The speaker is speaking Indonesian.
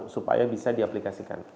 supaya bisa diaplikasikan